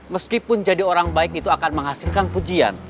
meskipun jadi orang baik itu akan menghasilkan pujian